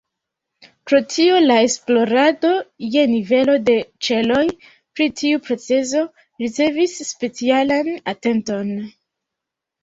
Pro tio la esplorado je nivelo de ĉeloj pri tiu procezo ricevis specialan atenton.